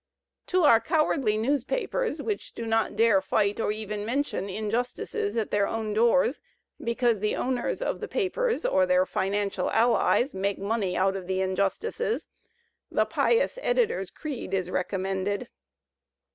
To our cowardly newspapers, which do not dare fight, or even mention, injustices at their own doors, because the owners of the papers or their financial allies make money out of the injustices, "The Pious Editor's Creed" is recom mended.